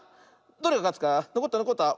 どれがかつか⁉のこったのこった！